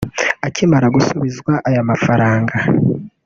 Akimara gusubizwa aya mafaranga